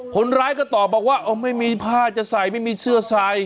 คนร้ายก็ตอบบอกว่าไม่มีผ้าจะใส่ไม่มีเสื้อใส่